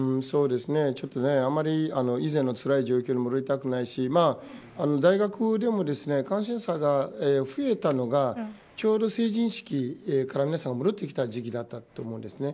あまり、以前のつらい状況に戻りたくないし大学でも感染者が増えたのがちょうど成人式から皆さん戻ってきた時期だったと思うんです。